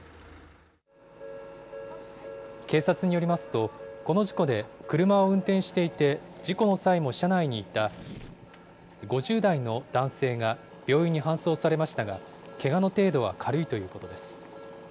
警察によりますと、この事故で、車を運転していて、事故の際も車内にいた５０代の男性が病院に搬送されましたが、けがの程度は軽いということです。